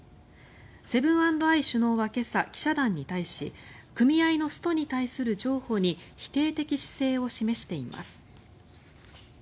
セブン＆アイ首脳は今朝記者団に対し組合のストに対する譲歩に否定的姿勢を示しています。